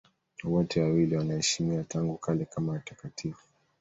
Wote wawili wanaheshimiwa tangu kale kama watakatifu.